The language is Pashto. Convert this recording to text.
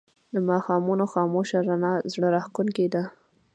د ماښامونو خاموش رڼا زړه راښکونکې ده